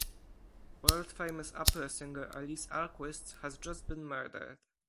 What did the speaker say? World-famous opera singer Alice Alquist has just been murdered.